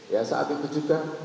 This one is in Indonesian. ya saat itu juga